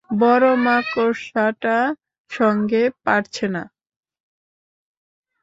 বড় মাকড়সাটার সঙ্গে পারছে না।